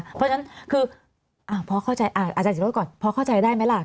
เพราะฉะนั้นคือพอเข้าใจอาจารย์ศิโรธก่อนพอเข้าใจได้ไหมล่ะ